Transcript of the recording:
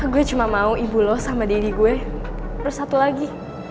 gue cuma mau ibu lo sama daddy gue terus satu lagi